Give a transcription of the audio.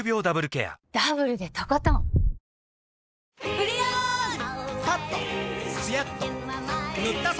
「プリオール」！